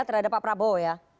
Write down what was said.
terhadap pak prabowo ya